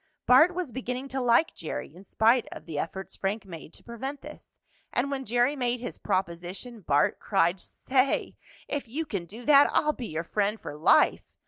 Bart was beginning to like Jerry in spite of the efforts Frank made to prevent this. And when Jerry made his proposition, Bart cried: "Say, if you can do that I'll be your friend for life!